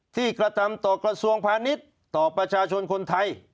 กระทำต่อกระทรวงพาณิชย์ต่อประชาชนคนไทย